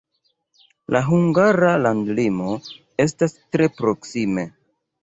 La hungara landlimo estas tre proksime.